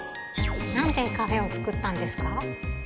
なんでカフェを作ったんですか？